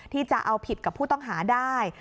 ที่จะเอาผิดกับผู้ต้องหาได้